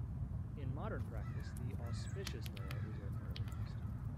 In modern practice, the "auspicious" layout is ordinarily used.